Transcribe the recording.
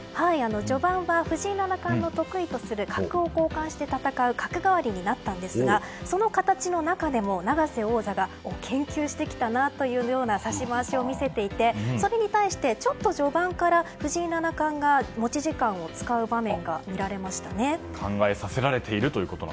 序盤は藤井七冠の得意とする角を交換して戦う角換わりになったんですがその形の中でも永瀬王座が、研究してきたなというようなさしまわしを見せていてそれに対して、ちょっと序盤から藤井七冠が持ち時間を使う場面が考えさせられていると。